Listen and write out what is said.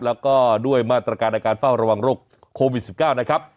แล้วก็ด้วยมาตรการในการเฝ้าระวังโรคโควิด๑๙นะครับ